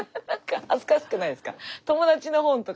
恥ずかしくないですか？